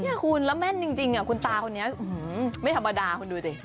นี่คุณแล้วแม่นจริงคุณตาคนนี้ไม่ธรรมดาคุณดูสิ